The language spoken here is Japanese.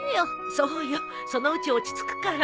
そうよそのうち落ち着くから。